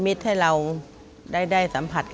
มีหลานชายคนหนึ่งเขาไปสื่อจากคำชโนธ